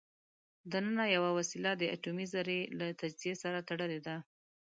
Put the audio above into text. دننه یوه وسیله د اټومي ذرې له تجزیې سره تړلې ده.